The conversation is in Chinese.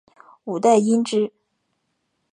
五代因之。